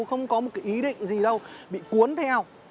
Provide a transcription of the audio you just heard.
không có ý định gì đâu bị cuốn theo